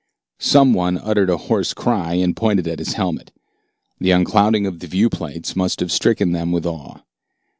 Some one uttered a hoarse cry and pointed at his helmet. The unclouding of the viewplates must have stricken them with awe.